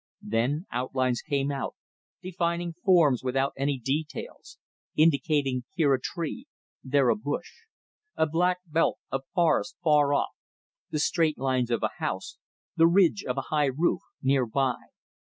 Then outlines came out, defining forms without any details, indicating here a tree, there a bush; a black belt of forest far off; the straight lines of a house, the ridge of a high roof near by.